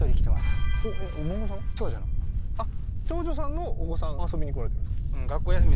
長女さんのお子さん遊びに来られてるんですか？